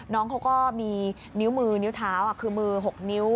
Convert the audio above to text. น้องเขาก็มีนิ้วมือนิ้วเท้าคือมือ๖นิ้ว